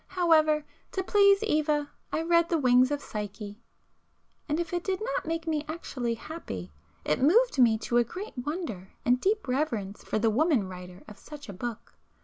However, to please Eva, I read the 'Wings of Psyche,'—and if it did not make me actually happy, it moved me to a great wonder and deep reverence for the woman writer of such a book.